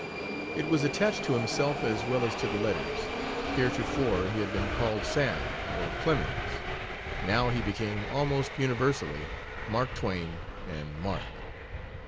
It was attached to himself as well as to the letters; heretofore he had been called Sam or Clemens, now he became almost universally Mark Twain and Mark.